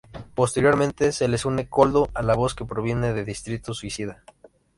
Posteriormente, se les une Koldo a la voz que proviene de Distrito Suicida.